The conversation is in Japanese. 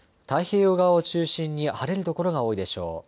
太平洋側を中心に晴れる所が多いでしょう。